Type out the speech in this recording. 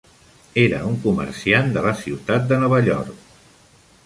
Era un comerciant de la ciutat de Nova York.